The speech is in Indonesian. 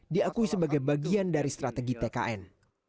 diakui sebagai bagian dari strategi tkn